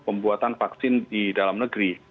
pembuatan vaksin di dalam negeri